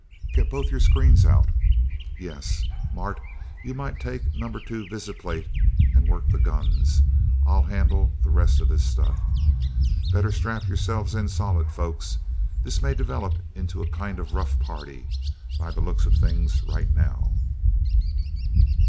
"Got both your screens out?" "Yes. Mart, you might take number two visiplate and work the guns I'll handle the rest of this stuff. Better strap yourselves in solid, folks this may develop into a kind of rough party, by the looks of things right now."